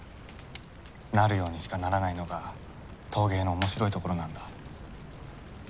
なるようにしかならないのが陶芸の面白いところなんだ。